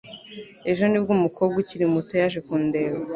Ejo nibwo umukobwa ukiri muto yaje kundeba.